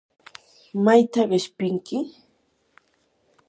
¿mayta qishpinki?